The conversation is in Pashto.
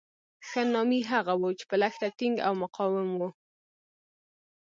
ښه نامي هغه وو چې په لښته ټینګ او مقاوم وو.